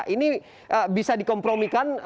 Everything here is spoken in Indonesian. ini bisa dikompromikan